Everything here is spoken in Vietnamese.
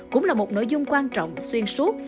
cũng là một nội dung quan trọng xuyên suốt